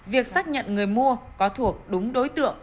việc xác nhận người mua có thuộc đúng đối tượng